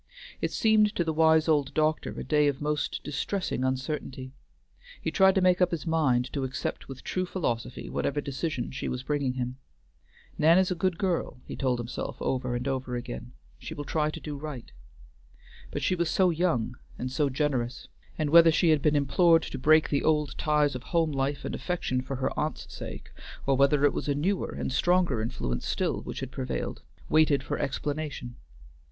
It seemed to the wise old doctor a day of most distressing uncertainty. He tried to make up his mind to accept with true philosophy whatever decision she was bringing him. "Nan is a good girl," he told himself over and over again; "she will try to do right." But she was so young and so generous, and whether she had been implored to break the old ties of home life and affection for her aunt's sake, or whether it was a newer and stronger influence still which had prevailed, waited for explanation.